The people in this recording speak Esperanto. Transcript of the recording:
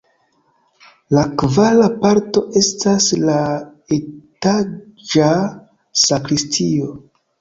La kvara parto estas la etaĝa sakristio.